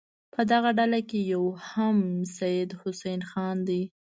په دغه ډله کې یو هم سید حسن خان دی.